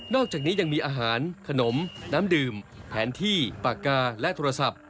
อกจากนี้ยังมีอาหารขนมน้ำดื่มแผนที่ปากกาและโทรศัพท์